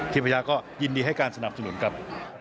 ภรรยาก็ยินดีให้การสนับสนุนครับ